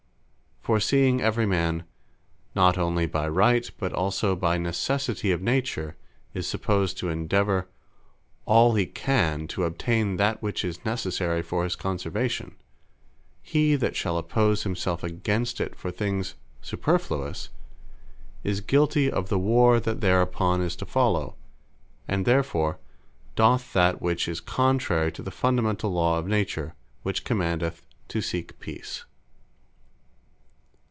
For seeing every man, not onely by Right, but also by necessity of Nature, is supposed to endeavour all he can, to obtain that which is necessary for his conservation; He that shall oppose himselfe against it, for things superfluous, is guilty of the warre that thereupon is to follow; and therefore doth that, which is contrary to the fundamentall Law of Nature, which commandeth To Seek Peace.